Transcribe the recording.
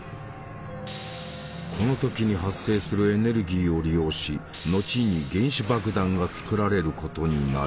この時に発生するエネルギーを利用し後に原子爆弾が作られることになる。